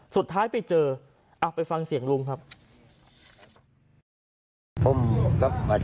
สุดท้ายไปเจอไปฟังเสียงลุงครับ